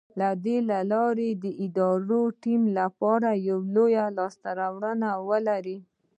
له دې لارې د ادارې او ټيم لپاره لویې لاسته راوړنې ولرئ.